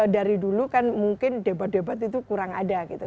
dari dulu kan mungkin debat debat itu kurang ada gitu